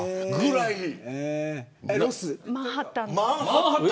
マンハッタンです。